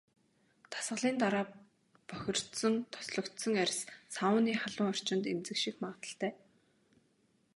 Дасгалын дараа бохирдсон, тослогжсон арьс сауны халуун орчинд эмзэгших магадлалтай.